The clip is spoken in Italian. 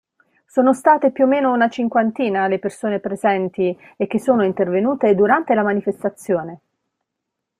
Sono state più o meno una cinquantina le persone presenti e che sono intervenute durante la manifestazione.